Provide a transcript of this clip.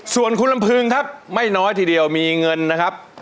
ส่วนคุณลำพึงครับไม่น้อยทีเดียวมีเงินนะครับ